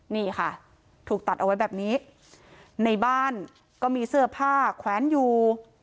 นี่ค่ะถูกตัดเอาไว้แบบนี้ในบ้านก็มีเสื้อผ้าแขวนอยู่